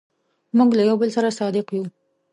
موږ له یو بل سره صادق یو.